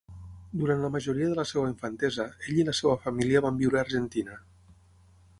Durant la majoria de la seva infantesa, ell i la seva família van viure a Argentina.